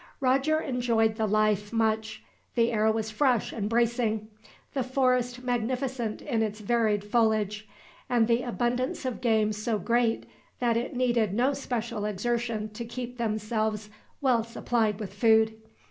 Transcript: Roger enjoyed the life much. The air was fresh and bracing, the forest magnificent in its varied foliage, and the abundance of game so great that it needed no special exertion to keep themselves well supplied with food.